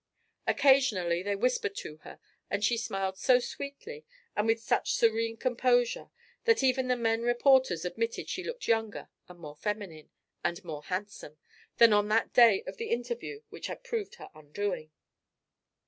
Occasionally they whispered to her, and she smiled so sweetly and with such serene composure that even the men reporters admitted she looked younger and more feminine and more handsome than on that day of the interview which had proved her undoing.